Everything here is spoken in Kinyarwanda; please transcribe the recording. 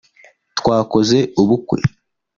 twakoze ubukwe